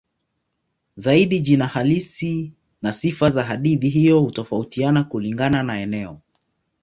Zaidi jina halisi na sifa za hadithi hiyo hutofautiana kulingana na eneo.